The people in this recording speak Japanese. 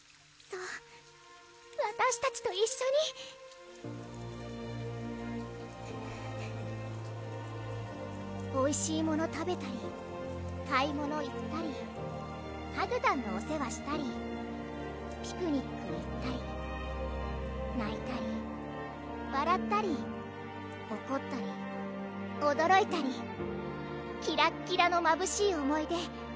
そうわたしたちと一緒においしいもの食べたり買い物行ったりはぐたんのお世話したりピクニック行ったりないたりわらったりおこったりおどろいたりキラッキラのまぶしい思い出